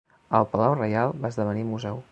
El palau reial va esdevenir museu.